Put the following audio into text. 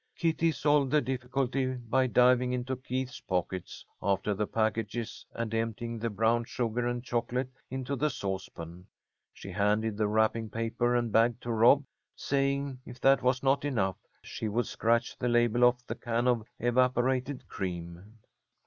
Kitty solved the difficulty by diving into Keith's pockets after the packages, and emptying the brown sugar and chocolate into the saucepan. She handed the wrapping paper and bag to Rob, saying if that was not enough she would scratch the label off the can of evaporated cream.